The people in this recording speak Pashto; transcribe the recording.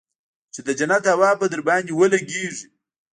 چې د جنت هوا به درباندې ولګېږي.